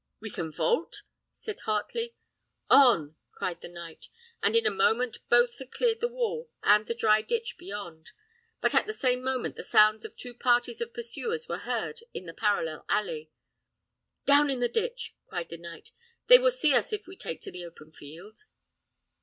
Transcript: "We can vault?" said Heartley. "On!" cried the knight; and in a moment both had cleared the wall and the dry ditch beyond; but at the same moment the sounds of two parties of pursuers were heard in the parallel alley. "Down in the ditch!" cried the knight; "they will see us if we take to the open field."